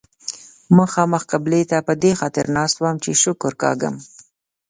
مخامخ قبلې ته په دې خاطر ناست وم چې شکر کاږم.